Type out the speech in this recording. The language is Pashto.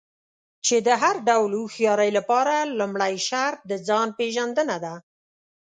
چې د هر ډول هوښيارۍ لپاره لومړی شرط د ځان پېژندنه ده.